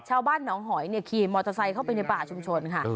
ชาวบ้านหนองหอยขี่มอเตอร์ไซค์เข้าไปในป่าชุมชนค่ะ